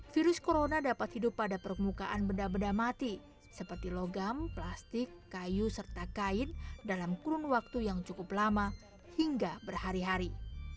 virus corona dapat hidup pada permukaan benda benda mati seperti logam plastik kayu serta kain dalam kurun waktu yang cukup lama hingga berhari hari